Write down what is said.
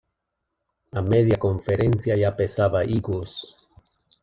A media conferencia ya pesaba higos.